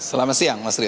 selamat siang mas riu